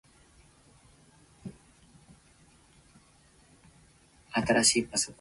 パブリックドメインの文章を追加しました。